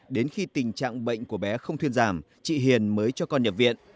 đến khi tình trạng bệnh của bé không thuyên giảm chị hiền mới cho con nhập viện